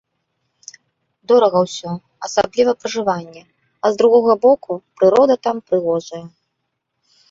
Дорага ўсё, асабліва пражыванне, а з другога боку, прырода там прыгожая.